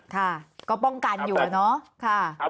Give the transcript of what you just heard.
ค่ะก็ป้องกันอยู่อะเนาะ